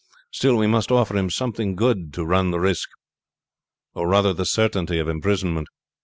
Still we must offer him something good to run the risk, or rather the certainty of imprisonment.